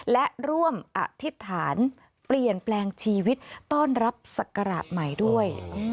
และร่วมอธิษฐานเปลี่ยนแปลงชีวิตต้อนรับศักราชใหม่ด้วย